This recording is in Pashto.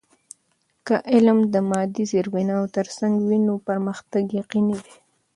که علم د مادی زیربناوو ترڅنګ وي، نو پرمختګ یقینی دی.